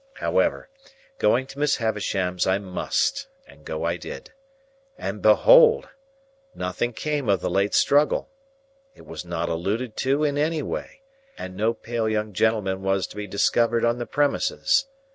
However, go to Miss Havisham's I must, and go I did. And behold! nothing came of the late struggle. It was not alluded to in any way, and no pale young gentleman was to be discovered on the premises.